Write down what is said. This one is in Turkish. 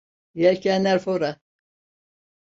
Yelkenler fora!